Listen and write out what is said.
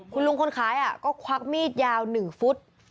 คุณชายอ่ะก็ควั๊กมีดยาว๑ฟุต